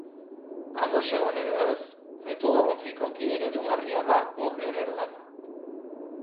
Ados egon edo ez, metodologikoki eredugarria da Burgeren lana.